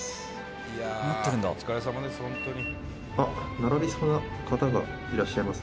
「並びそうな方がいらっしゃいます」